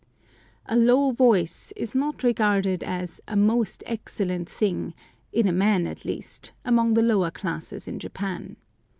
A low voice is not regarded as "a most excellent thing," in man at least, among the lower classes in Japan.